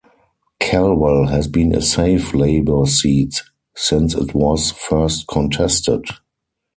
Calwell has been a safe Labor seat since it was first contested.